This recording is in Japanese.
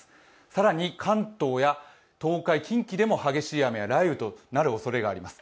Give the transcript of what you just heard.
更に関東や東海、近畿でも激しい雨や雷雨となるおそれがあります